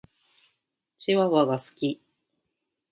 チワワが好き。